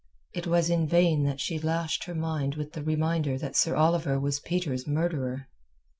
It was in vain that she lashed her mind with the reminder that Sir Oliver was Peter's murderer.